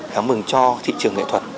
đáng mừng cho thị trường nghệ thuật